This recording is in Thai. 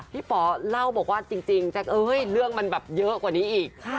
ป๋อเล่าบอกว่าจริงแจ๊คเรื่องมันแบบเยอะกว่านี้อีก